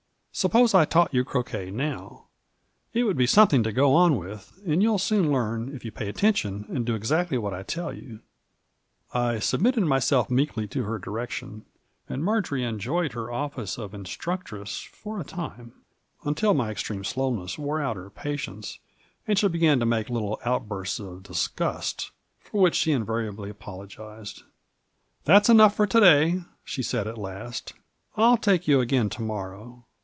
Suppose I taught you croquet, now ? It would be something to go on with, and you'll soon learn if you pay attention and do exactly what I tell you." Digitized by VjOOQIC 88 MARJOltY. I submitted myself meekly to her direction, and Marjory enjoyed her ofBce of instructress for a time, nnta my extreme slowness wore ont her patience, and she began to make little outbursts of disgust, for which she invariably apologized. " That's enough for to day 1 " she said at last ;" I'll take you again to morrow.